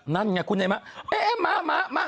นั่นไงคุณไอ้ม้า